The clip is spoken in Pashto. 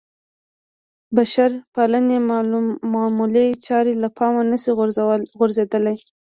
بشرپالنې معمولې چارې له پامه نه شي غورځېدلی.